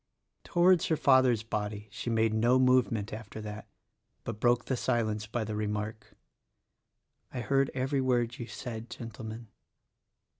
Towards her father's body she made no movement after that, but broke the silence by the remark, "I heard every word that you said, Gentlemen."